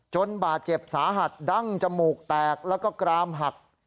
บาดเจ็บสาหัสดั้งจมูกแตกแล้วก็กรามหัก